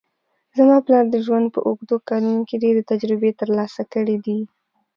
زما پلار د ژوند په اوږدو کلونو کې ډېرې تجربې ترلاسه کړې دي